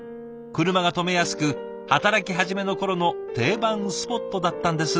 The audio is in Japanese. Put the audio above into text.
車が止めやすく働き始めの頃の定番スポットだったんですって。